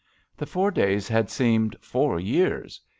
The four days had seemed four years.